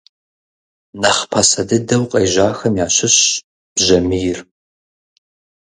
Нэхъ пасэ дыдэу къежьахэм ящыщщ бжьамийр.